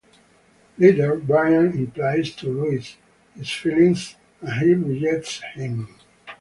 Later, Brian implies to Lois his feelings and she rejects him.